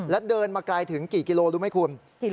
แล้วเดินมาไกลถึงกี่กิโลรู้ไหมคุณ